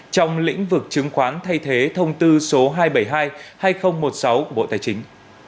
trong lĩnh vực chứng khoán thay thế thông tư số hai trăm bảy mươi hai hai nghìn một mươi sáu của bộ tài chính